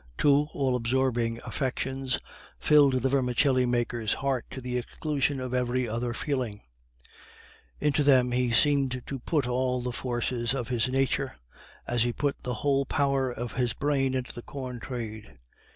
Two all absorbing affections filled the vermicelli maker's heart to the exclusion of every other feeling; into them he seemed to put all the forces of his nature, as he put the whole power of his brain into the corn trade.